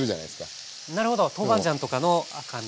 なるほど豆板醤とかの赤み。